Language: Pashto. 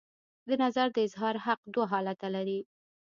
د نظر د اظهار حق دوه حالته لري.